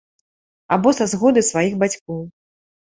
Або са згоды сваіх бацькоў.